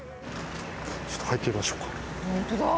ちょっと入ってみましょうか。